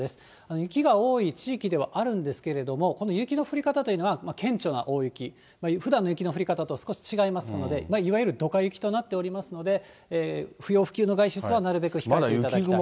雪が多い地域ではあるんですけれども、この雪の降り方というのは、顕著な大雪、ふだんの雪の降り方とは少し違いますので、いわゆるドカ雪となっておりますので、不要不急の外出はなるべく控えていただきたい。